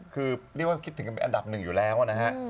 คือเรียกว่าคิดถึงกันเป็นอันดับหนึ่งอยู่แล้วนะฮะ